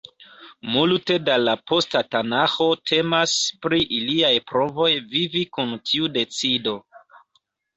Multe da la posta Tanaĥo temas pri iliaj provoj vivi kun tiu decido.